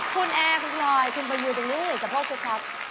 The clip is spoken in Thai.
คุณแอร์คุณหน่อยคุณไปอยู่ตรงนี้กะโพกทุกทัก